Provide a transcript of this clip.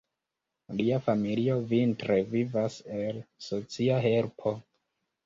Lia familio vintre vivas el socia helpo.